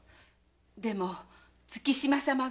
でも月島様が。